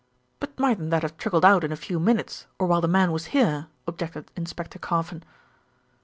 "But mightn't that have trickled out in a few minutes, or while the man was here?" objected Inspector Carfon.